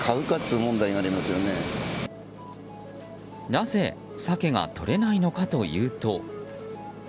なぜ、サケがとれないのかというと。